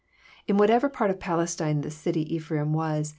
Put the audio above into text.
In whatever part of Palestine this city Ephraim was.